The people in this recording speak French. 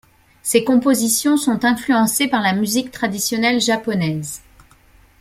Ses compositions sont influencées par la musique traditionnelle japonaise.